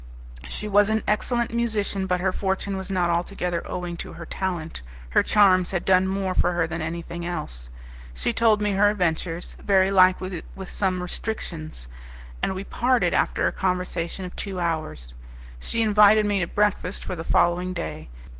She was an excellent musician, but her fortune was not altogether owing to her talent; her charms had done more for her than anything else. She told me her adventures, very likely with some restrictions, and we parted after a conversation of two hours. She invited me to breakfast for the following day.